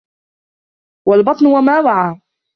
وَالْبَطْنَ وَمَا وَعَى